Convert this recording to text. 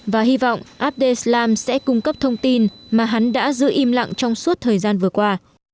và hy vọng adeslam sẽ cung cấp thông tin mà hắn đã giữ im lặng trong suốt thời gian vừa qua